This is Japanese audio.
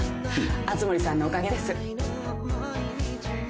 熱護さんのおかげです。